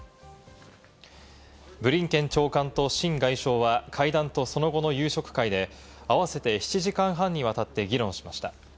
ブリンケン長官とシン外相は会談とその後の夕食会で合わせて７時間半にわたって議論しました。